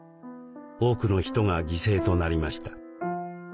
多くの人が犠牲となりました。